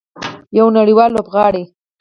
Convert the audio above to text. یو نړیوال لوبغاړی.